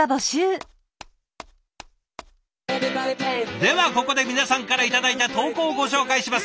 ではここで皆さんから頂いた投稿をご紹介します。